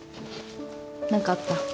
何かあった？